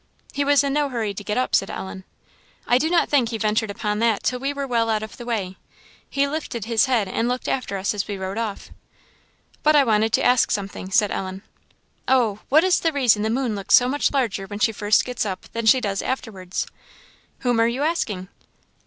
"He was in no hurry to get up," said Ellen. "I do not think he ventured upon that till we were well out of the way. He lifted his head and looked after us as we rode off." "But I wanted to ask something," said Ellen "oh what is the reason the moon looks so much larger when she first gets up, than she does afterwards?" "Whom are you asking?"